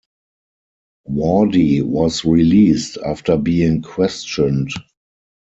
Wardy was released after being questioned.